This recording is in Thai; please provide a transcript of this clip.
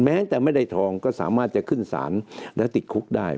แม้แต่ไม่ได้ทองก็สามารถจะขึ้นศาลและติดคุกได้